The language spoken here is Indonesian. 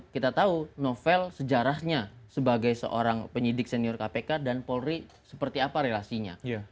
kita tahu novel sejarahnya sebagai seorang penyidik senior kpk dan polri seperti apa relasinya